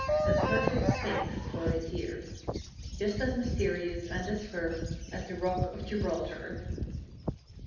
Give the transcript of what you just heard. A perfect Sphinx for his years; Just as mysterious and as firm as the Rock of Gibraltar.